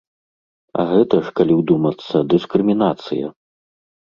А гэта ж, калі ўдумацца, дыскрымінацыя.